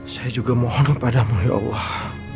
saya juga mohon kepadamu ya allah